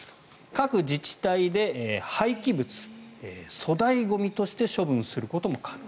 各自治体で廃棄物、粗大ゴミとして処分することも可能。